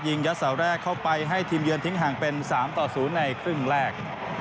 ยัดเสาแรกเข้าไปให้ทีมเยือนทิ้งห่างเป็น๓ต่อ๐ในครึ่งแรก